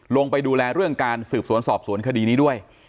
ลงไปดูแลเรื่องการสืบสวนสอบสวนคดีนี้ด้วย